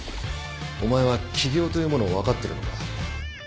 お前は起業というものを分かってるのか？